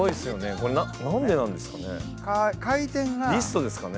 これ何でなんですかね？